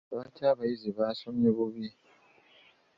Lwaki abayizi baasomye bubi?